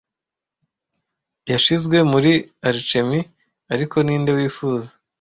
"Yashizwe muri alchemy, ariko ninde wifuza